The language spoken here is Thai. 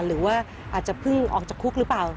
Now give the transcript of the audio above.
หรือว่าอาจจะเพิ่งออกจากคุกหรือเปล่า